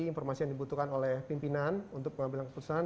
informasi yang dibutuhkan oleh pimpinan untuk pengambilan keputusan